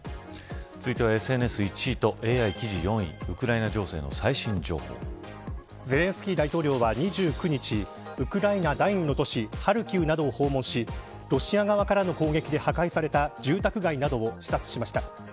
続いてはＳＮＳ１位とＡＩ記事４位ゼレンスキー大統領は２９日ウクライナ第２の都市ハルキウなどを訪問しロシア側からの攻撃で破壊された住宅街などを視察しました。